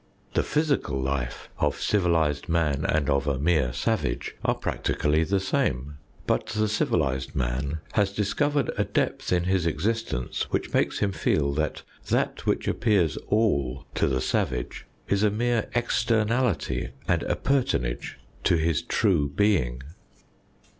The physical life of civilised man and of a mere savage are practically the same, but the civilised man has discovered a depth in his existence, which makes him feel that that which appears all to the savage is a mere externality and appurtenage to his true being.